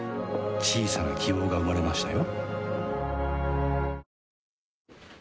小さな希望が生まれましたよ